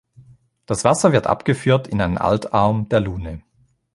Das Wasser wird abgeführt in einen Altarm der Lune.